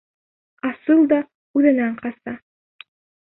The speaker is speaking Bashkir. Асылда үҙенән ҡаса.